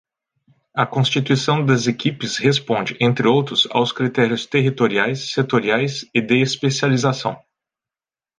A constituição das equipes responde, entre outros, aos critérios territoriais, setoriais e de especialização.